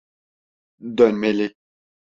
Dönmeli!